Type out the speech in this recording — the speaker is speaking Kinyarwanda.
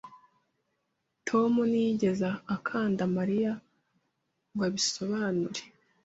Tom ntiyigeze akanda Mariya ngo abisobanure.